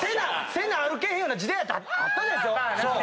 せな歩けへんような時代あったでしょ？